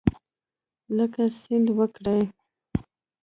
لکه سیند وکرې